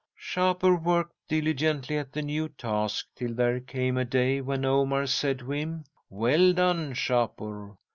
"'Shapur worked diligently at the new task till there came a day when Omar said to him: "Well done, Shapur!